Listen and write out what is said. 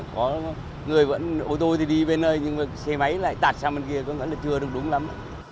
có người vẫn ô tô thì đi bên nơi nhưng mà xe máy lại tạt sang bên kia vẫn là chưa được đúng lắm